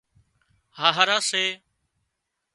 هاهرا سي